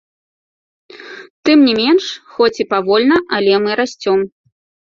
Тым не менш, хоць і павольна, але мы расцём.